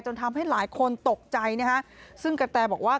ทำให้หลายคนตกใจนะฮะซึ่งกระแตบอกว่า